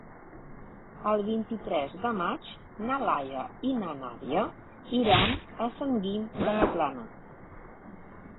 El vint-i-tres de maig na Laia i na Nàdia iran a Sant Guim de la Plana.